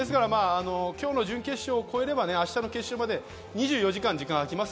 今日の準決勝を越えれば明日の決勝まで２４時間、時間があきます。